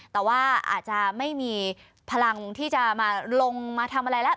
แต่ว่าอาจจะไม่มีพลังที่จะมาลงมาทำอะไรแล้ว